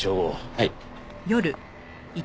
はい。